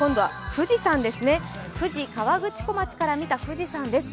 富士河口湖町から見た富士山です。